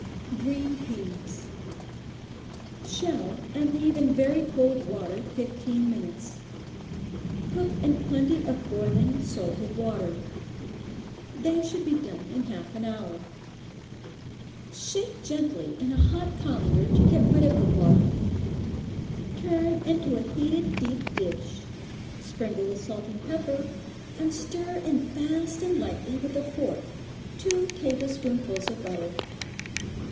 Green Peas. Shell and leave in very cold water fifteen minutes. Cook in plenty of boiling, salted water. They should be done in half an hour. Shake gently in a hot colander to get rid of the water; turn into a heated deep dish, sprinkle with salt and pepper, and stir in fast and lightly with a fork, two tablespoonfuls of butter.